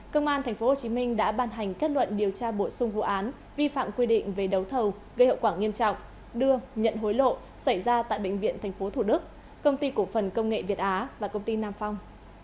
công an tp hcm đã ban hành kết luận điều tra bổ sung vụ án vi phạm quy định về đấu thầu gây hậu quả nghiêm trọng đưa nhận hối lộ xảy ra tại bệnh viện tp thủ đức công ty cổ phần công nghệ việt á và công ty nam phong